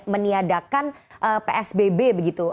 sudah meniadakan psbb begitu